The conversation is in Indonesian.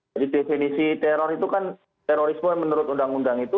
jadi definisi teror itu kan terorisme menurut undang undang itu